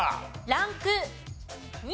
ランク２。